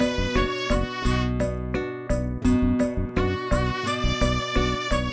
eh mas ngapain kenalan